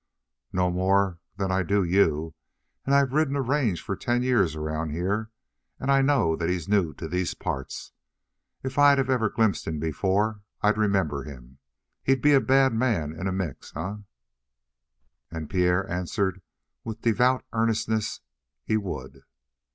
"No more than I do you; but I've ridden the range for ten years around here, and I know that he's new to these parts. If I'd ever glimpsed him before, I'd remember him. He'd be a bad man in a mix, eh?" And Pierre answered with devout earnestness: "He would."